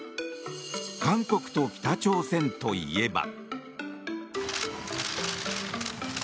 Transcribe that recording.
韓国と北朝鮮といえば。